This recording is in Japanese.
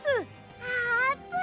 あーぷん！